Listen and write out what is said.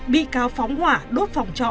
bị cáo phóng hỏa đốt phòng trọ